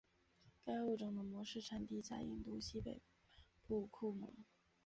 该物种的模式产地在印度西北部库蒙。